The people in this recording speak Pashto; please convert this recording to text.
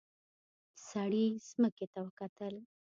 سړي ځمکې ته وکتل.